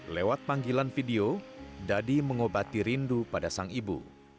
lewat panggilan video dadi mengobati rindu pada sang ibu